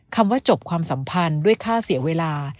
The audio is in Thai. คำว่าจบความสัมพันธ์ด้วยค่าเสียเวลา